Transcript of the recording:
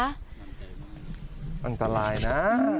อันตรายนะ